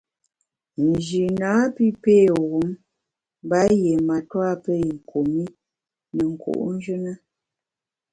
Nji napi pé wum mba yié matua pé kum i ne nku’njù na.